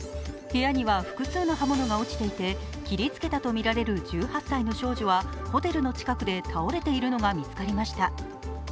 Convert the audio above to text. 部屋には複数の刃物が落ちていて切りつけたとみられる１８歳の少女はホテルの近くで倒れているのが見つかりました。